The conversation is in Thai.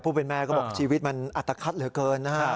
พูดเป็นแม่ก็บอกชีวิตมันอัตภัทรเหลือเกินนะครับ